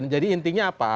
jadi intinya apa